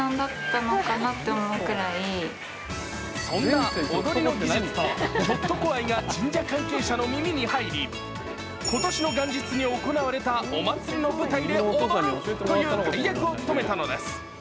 そんな踊りの技術とひょっとこ愛が神社関係者の耳に入り今年の元日に行われたお祭りの舞台で踊るという大役を務めたのです。